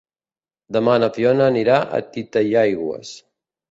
Demà na Fiona anirà a Titaigües.